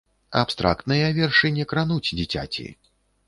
Абстрактныя вершы не крануць дзіцяці.